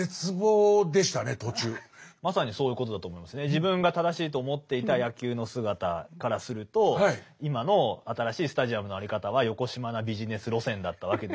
自分が正しいと思っていた野球の姿からすると今の新しいスタジアムの在り方はよこしまなビジネス路線だったわけですけども。